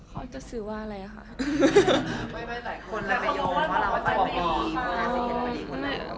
เขาจะสื่อว่าอะไรค่ะ